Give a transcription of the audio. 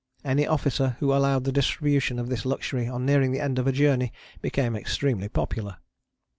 Any officer who allowed the distribution of this luxury on nearing the end of a journey became extremely popular.